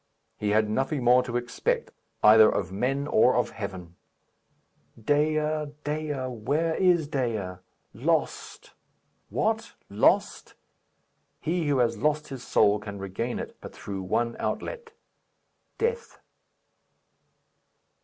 He had nothing more to expect either of men or of heaven. Dea! Dea! Where is Dea? Lost! What? lost? He who has lost his soul can regain it but through one outlet death.